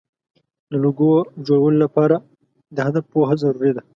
د لوګو جوړولو لپاره د هدف پوهه ضروري ده.